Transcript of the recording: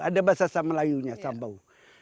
ada bahasa melayunya sambau